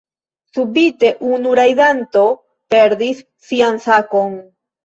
Subite unu rajdanto perdis sian sakon.